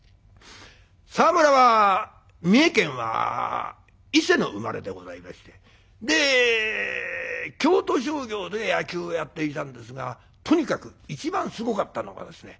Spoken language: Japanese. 沢村は三重県は伊勢の生まれでございましてで京都商業で野球をやっていたんですがとにかく一番すごかったのがですね